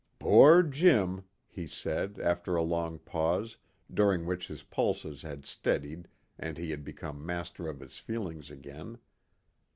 "Poor Jim!" he said, after a long pause, during which his pulses had steadied and he had become master of his feelings again.